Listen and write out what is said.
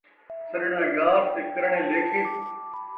سݙݨاں یار تے کرݨے لیکھے